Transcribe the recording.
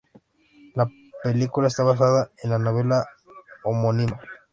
La película está basada en la novela homónima.